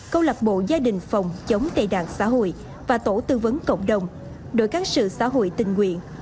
câu lạc bộ gia đình phòng chống tệ nạn xã hội và tổ tư vấn cộng đồng đội các sự xã hội tình nguyện